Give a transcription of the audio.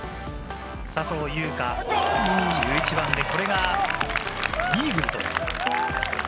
笹生優花、１１番で、これがイーグル。